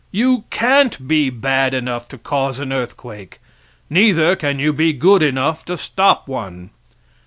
You can't be bad enough to cause an earthquake; neither can you be good enough to stop one.